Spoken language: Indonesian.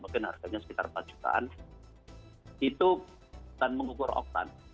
mungkin harganya sekitar empat jutaan itu bukan mengukur oktan